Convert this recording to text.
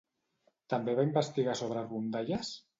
També va investigar sobre rondalles?